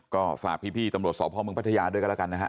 ก็ฝากพี่ตำรวจสพเมืองพัทยาด้วยกันแล้วกันนะฮะ